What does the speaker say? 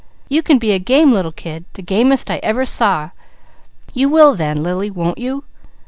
You can be a game little kid, the gamest I ever saw, you will then, Lily, won't you?"